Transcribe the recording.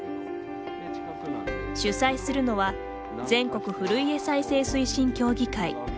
主催するのは全国古家再生推進協議会。